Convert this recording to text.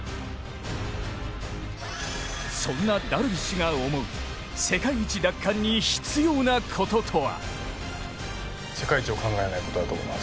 そんなダルビッシュが思う世界一奪還に必要なこととは。